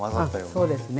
そうですね。